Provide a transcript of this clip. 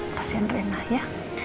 kasian reina ya